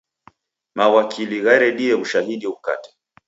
Mawakili gharedie w'ushahidi ghukate.